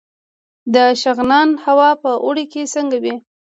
د شغنان هوا په اوړي کې څنګه وي؟